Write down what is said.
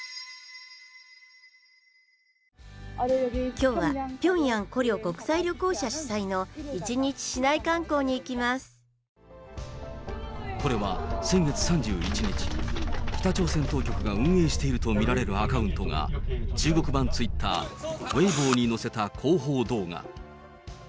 きょうはピョンヤンコリョ国際旅行社主催の一日市内観光に行これは先月３１日、北朝鮮当局が運営していると見られるアカウントが、中国版ツイッター、ウェイボーに載せた広報動画。